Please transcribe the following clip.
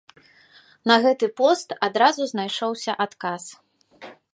На гэты пост адразу знайшоўся адказ.